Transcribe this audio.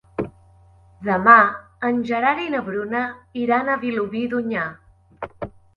Demà en Gerard i na Bruna iran a Vilobí d'Onyar.